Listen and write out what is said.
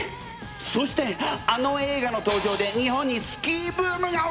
そしてあの映画の登場で日本にスキーブームが起きるぜ！